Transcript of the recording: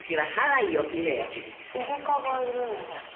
イルカがいるんだ。